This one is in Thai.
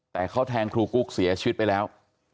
แต่เขาแทงครูกุ๊กเสียชีวิตไปแล้ว